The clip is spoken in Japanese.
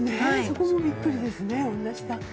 そこもびっくりですね。